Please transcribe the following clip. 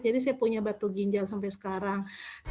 jadi saya punya batu ginjal sampai sekarang